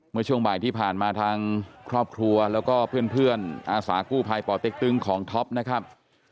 เมื่อช่วงบ่ายที่ผ่านมาทางครอบครัวแล้วก็เพื่อนอาสากู้ภัยป่อเต็กตึงของท็อปนะครับ